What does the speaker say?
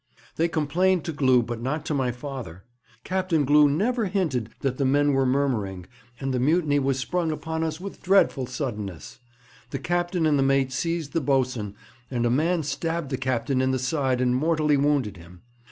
They complained to Glew, but not to my father. Captain Glew never hinted that the men were murmuring, and the mutiny was sprung upon us with dreadful suddenness. The captain and the mate seized the boatswain, and a man stabbed the captain in the side, and mortally wounded him.